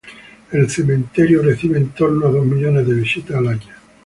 El cementerio recibe en torno a dos millones de visitas al año.